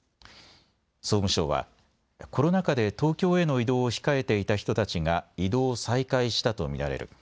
総務省はコロナ禍で東京への移動を控えていた人たちが移動を再開したと見られる。